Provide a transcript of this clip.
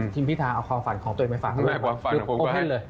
ทีมพิทาเอาความฝันของตัวเองไปฝากกันด้วย